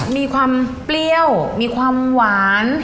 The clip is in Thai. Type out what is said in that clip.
มีความเปรี้ยวมีความหวาน